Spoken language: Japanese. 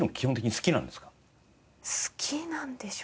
好きなんでしょうかね？